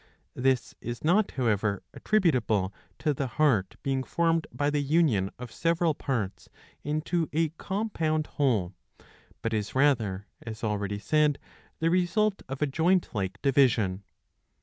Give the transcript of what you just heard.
^" This is not however attributable to the heart being formed by the union of several parts into a compound whole, but is rather, as already said, the result of a joint like division.